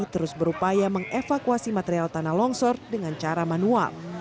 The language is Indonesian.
terus berupaya mengevakuasi material tanah longsor dengan cara manual